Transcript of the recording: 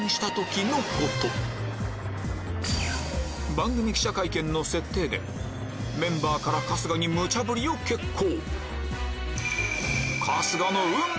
番組記者会見の設定でメンバーから春日にムチャぶりを決行